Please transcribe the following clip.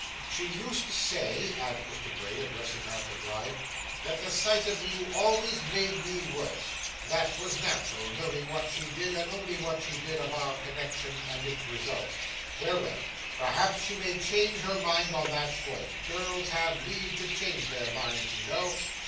She used to say,' added Mr. Bray, addressing Arthur Gride, 'that the sight of you always made me worse. That was natural, knowing what she did, and only what she did, of our connection and its results. Well, well. Perhaps she may change her mind on that point; girls have leave to change their minds, you know.